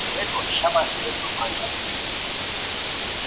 ریکو شاباش! رے تو پنجہ پرائے